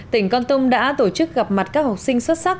tỉnh con tum đã tổ chức gặp mặt các học sinh xuất sắc